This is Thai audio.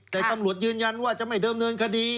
แต่ตำรวจยืนยันว่าจะไม่เดิมเนินคดี